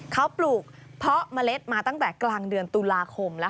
เขาปลูกเพาะเมล็ดมาตั้งแต่กลางเดือนตุลาคม